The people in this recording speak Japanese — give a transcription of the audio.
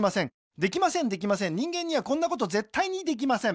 できませんできません人間にはこんなことぜったいにできません